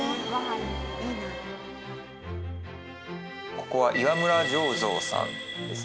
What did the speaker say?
ここは岩村醸造さんですね。